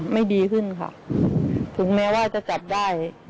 ไม่ดีขึ้นค่ะถึงแม้ว่าจะจับได้